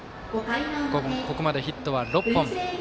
ここまでヒットは６本。